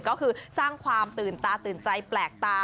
ก็คือสร้างความตื่นตาตื่นใจแปลกตา